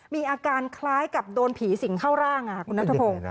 มีอาการคล้ายกับโดนผีสิงเข้าร่างคุณนัทพงศ์